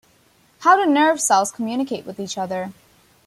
How do nerve cells communicate with each other?